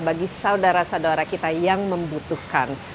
bagi saudara saudara kita yang membutuhkan